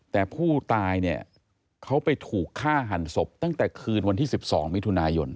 แต่ผู้ตายเนี่ยเขาไปถูกฆ่าหันศพตั้งแต่คืนวันที่๑๒มิถุนายน